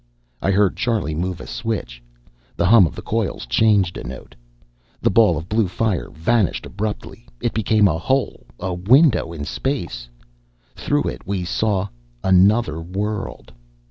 I heard Charlie move a switch. The hum of the coils changed a note. The ball of blue fire vanished abruptly. It became a hole, a window in space! Through it, we saw another world!